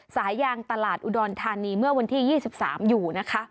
สายยางตลาดอุดรธานีเมื่อวันที่๒๓อยู่นะคะ